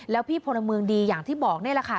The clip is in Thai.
แล้วพี่พลเมืองดีอย่างที่บอกนี่แหละค่ะ